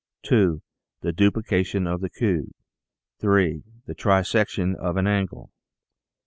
2. The Duplication of the Cube. 3. The Trisection of an Angle.